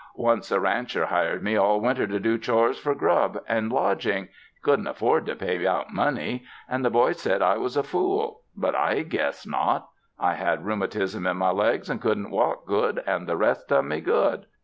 Once a rancher hired me all winter to do chores for grub and lodg ing—he couldn't atford to pay out money — and the boys said I was a fool. But I guess not. I had rum atism in my legs and couldn't walk good, and the rest done me good.